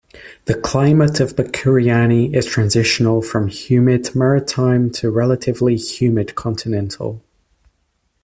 The climate of Bakuriani is transitional from humid maritime to relatively humid continental.